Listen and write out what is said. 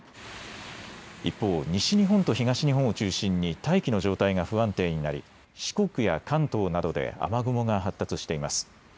一方、西日本と東日本を中心に大気の状態が不安定になり四国や関東などで雨雲が発達しています。